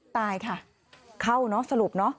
ตายค่ะเข้าเนอะสรุปเนอะ